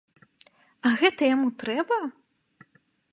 А гэта яму трэба?